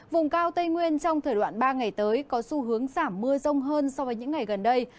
vùng cao tây nguyên trong thời đoạn ba ngày tới có xu hướng giảm mưa rông hơn so với những ngày gần đây